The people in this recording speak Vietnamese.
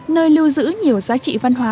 nơi lưu giữ nhiều giá trị văn hóa